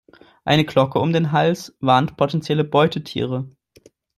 Eine Glocke um den Hals warnt potenzielle Beutetiere.